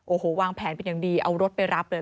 โอ้โหวางแผนเป็นอย่างดีเอารถไปรับเลย